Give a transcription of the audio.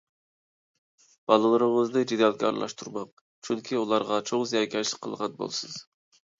بالىلىرىڭىزنى جېدەلگە ئارىلاشتۇرماڭ! چۈنكى، ئۇلارغا چوڭ زىيانكەشلىك قىلغان بولىسىز.